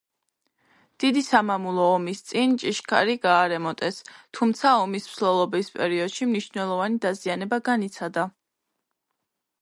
დიდი სამამულო ომის წინ ჭიშკარი გაარემონტეს, თუმცა ომის მსვლელობის პერიოდში მნიშვნელოვანი დაზიანება განიცადა.